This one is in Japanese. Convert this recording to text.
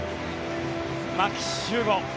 牧秀悟。